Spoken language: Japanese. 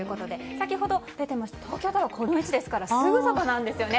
先ほど、出ていました東京タワーはこの位置ですからすぐそこなんですね。